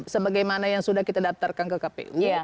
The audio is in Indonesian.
sebagaimana yang sudah kita daftarkan ke kpu